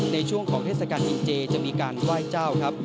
ในช่วงของเทศกาลกินเจจะมีการไหว้เจ้าครับ